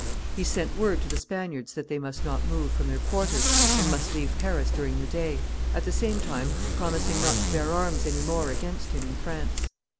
He sent word to the Spaniards that they must not move from their quarters and must leave Paris during the day, at the same time promising not to bear arms any more against him, in France.